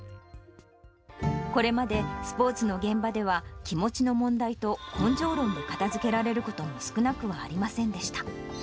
これまで、スポーツの現場では気持ちの問題と、根性論で片づけられることも少なくはありませんでした。